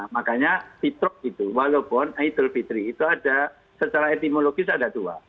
makanya fitrok itu walaupun idul fitri itu ada secara etimologis ada dua